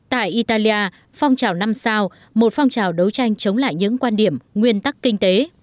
tại italia phong trào năm sao một phong trào đấu tranh chống lại những quan điểm nguyên tắc kinh tế